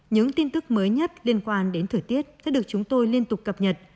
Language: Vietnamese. những tin tức mới nhất liên quan đến thời tiết sẽ được chúng tôi liên tục cập nhật